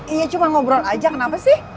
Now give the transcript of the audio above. iya cuma ngobrol aja kenapa sih